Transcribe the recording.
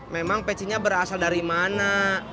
memang pecinya berasal dari mana